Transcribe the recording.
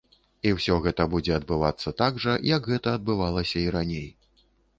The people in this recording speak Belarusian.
І ўсё гэта будзе адбывацца так жа як гэта адбывалася і раней.